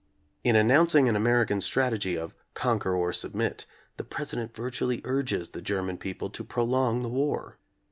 In an nouncing an American strategy of "conquer or submit," the President virtually urges the German people to prolong the war.